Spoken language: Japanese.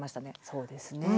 そうですね。